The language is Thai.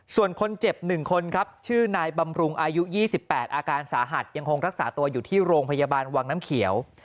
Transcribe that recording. ส่วนคนเจ็บ๑คนครับชื่อนายบำรุงอายุ๒๘อาการสาหัสยังคงรักษาตัวอยู่ที่โรงพยาบาลวังน้ำเขียว